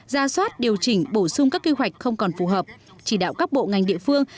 ra soát điều chỉnh bổ sung các kế hoạch không còn phù hợp chỉ đạo các bộ ngành địa phương